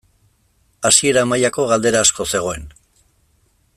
Hasiera mailako galdera asko zegoen.